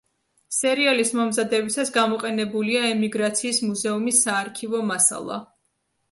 სერიალის მომზადებისას გამოყენებულია ემიგრაციის მუზეუმის საარქივო მასალა.